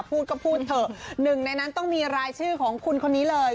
พูดก็พูดเถอะหนึ่งในนั้นต้องมีรายชื่อของคุณคนนี้เลย